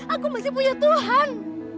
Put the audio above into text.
aku masih punya tuhan